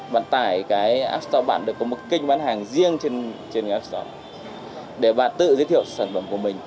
bạn tải cái app sto bạn được có một kênh bán hàng riêng trên app store để và tự giới thiệu sản phẩm của mình